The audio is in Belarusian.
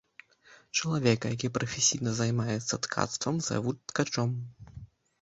Чалавека, які прафесійна займаецца ткацтвам, завуць ткачом.